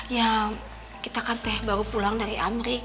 ya kita kan teh baru pulang dari amrik